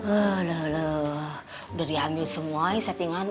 udah diambil semuanya settingan